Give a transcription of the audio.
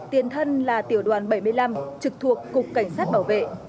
tiền thân là tiểu đoàn bảy mươi năm trực thuộc cục cảnh sát bảo vệ